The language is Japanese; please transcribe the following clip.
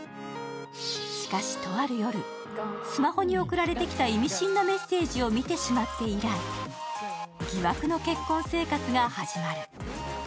しかし、とある夜、スマホに送られてきた意味深なメッセージを見てしまって以来疑惑の結婚生活が始まる。